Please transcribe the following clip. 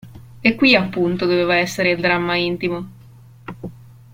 E qui appunto doveva essere il dramma intimo.